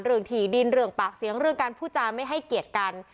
ถี่ดินเรื่องปากเสียงเรื่องการพูดจาไม่ให้เกียรติกัน